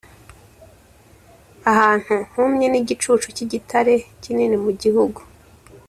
Ahantu humye n igicucu cy igitare kinini mu gihugu